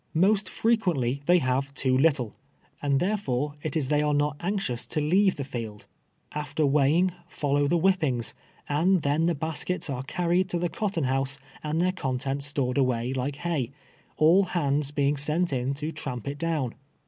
Must frequently they have too little, and therefore it is they are not anxious to leave the Held. After weighing, fulluw tho whippings ; and then the baskets are carried to tho cotton house, and their contents stored away like hay, all hands being sent in to tramp it down.